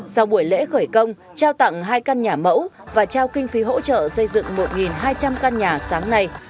sau buổi lễ khởi công trao tặng hai căn nhà mẫu và trao kinh phí hỗ trợ xây dựng một hai trăm linh căn nhà sáng nay